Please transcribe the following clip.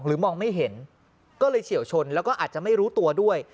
มองไม่เห็นก็เลยเฉียวชนแล้วก็อาจจะไม่รู้ตัวด้วย